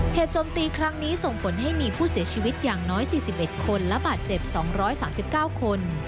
โจมตีครั้งนี้ส่งผลให้มีผู้เสียชีวิตอย่างน้อย๔๑คนและบาดเจ็บ๒๓๙คน